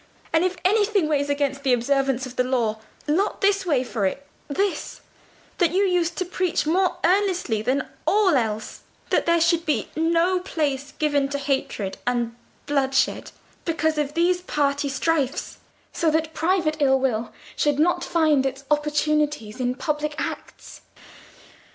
And if anything weighs against the observance of the law, let this weigh for it—this, that you used to preach more earnestly than all else, that there should be no place given to hatred and bloodshed because of these party strifes, so that private ill will should not find its opportunities in public acts.